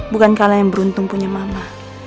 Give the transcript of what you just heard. bukan kalah yang beruntung punya mama